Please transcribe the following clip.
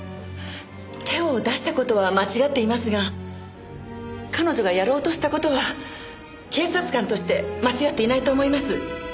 手を出した事は間違っていますが彼女がやろうとした事は警察官として間違っていないと思います。